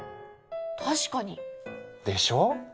確かに。でしょう？